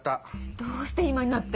どうして今になって？